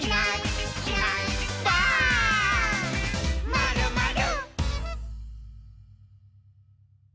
「まるまる」